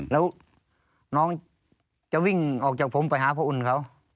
แล้วน้องจะวิ่งออกจากผมไปหาพระอุ่นเขา